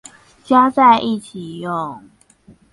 加在一起用